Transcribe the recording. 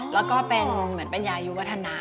แล้วก็เป็นเหมือนเป็นยายุวัฒนะ